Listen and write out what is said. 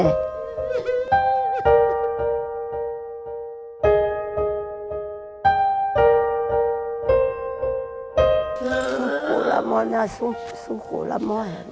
สุโขละมองเนี่ยสุโขละมอง